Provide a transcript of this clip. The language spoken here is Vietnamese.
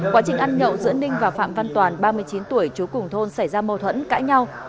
quá trình ăn nhậu giữa ninh và phạm văn toàn ba mươi chín tuổi chú cùng thôn xảy ra mâu thuẫn cãi nhau